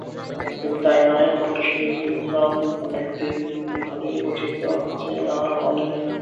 শুধু তা-ই নয়, কণ্ঠশীলন অনেক দিন ধরেই পরিচালিত হচ্ছে নানা অনিয়মে।